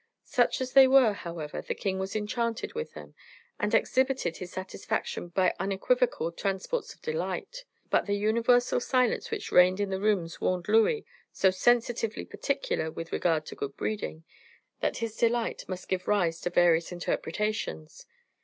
Such as they were, however, the king was enchanted with them, and exhibited his satisfaction by unequivocal transports of delight; but the universal silence which reigned in the rooms warned Louis, so sensitively particular with regard to good breeding, that his delight must give rise to various interpretations.